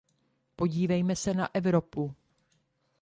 Podívejme se na Evropu.